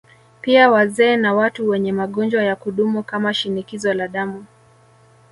Pia wazee na watu wenye magonjwa ya kudumu kama Shinikizo la Damu